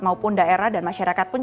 maupun daerah dan masyarakat pun